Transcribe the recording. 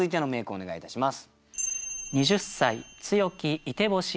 お願いいたします。